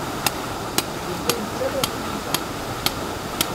Nella nettarra tiyita.